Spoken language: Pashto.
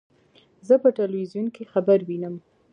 زه په ټلویزیون کې خبر وینم.